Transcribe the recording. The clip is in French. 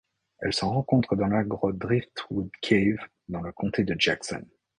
Elle se rencontre dans dans la grotte Driftwood Cave dans le comté de Jackson.